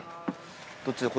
どっちだ？